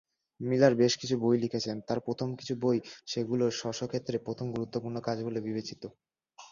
Miller বেশ কিছু বই লিখেছেন, তার বেশ কিছু বই সেগুলোর স্ব স্ব ক্ষেত্রে প্রথম গুরুত্বপূর্ণ কাজ বলে বিবেচিত।